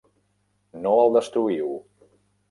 No el destruïu.